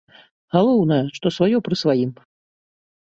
Галоўнае, што сваё пры сваім.